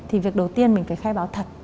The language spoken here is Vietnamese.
thì việc đầu tiên mình phải khai báo thật